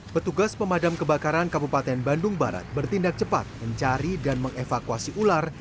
petugas pemadam kebakaran kabupaten bandung barat bertindak cepat mencari dan mengevakuasi ular